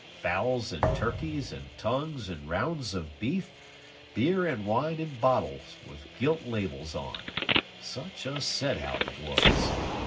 Fowls and turkeys and tongues and rounds of beef, beer and wine in bottles with gilt labels on. Such a set out it was.